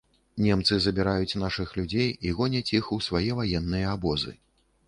Немцы забіраюць нашых людзей і гоняць іх у свае ваенныя абозы.